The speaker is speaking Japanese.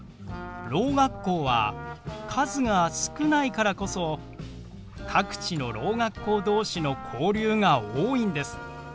ろう学校は数が少ないからこそ各地のろう学校同士の交流が多いんです。